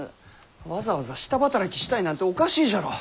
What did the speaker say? わざわざ下働きしたいなんておかしいじゃろ。